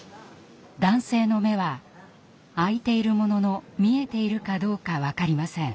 男性の目は開いているものの見えているかどうか分かりません。